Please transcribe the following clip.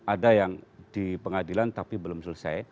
ada yang di pengadilan tapi belum selesai